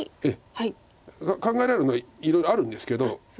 考えられるのはいろいろあるんですけど。